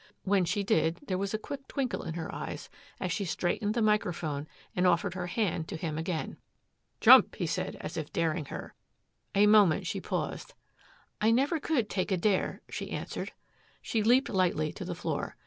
When she did there was a quick twinkle in her eyes as she straightened the microphone and offered her hand to him again. "Jump!" he said, as if daring her. A moment she paused. "I never could take a dare," she answered. She leaped lightly to the floor.